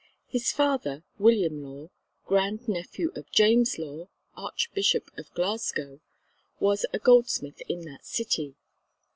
His father, William Law (grand nephew of James Law, Archbishop of Glasgow) was a goldsmith in that city.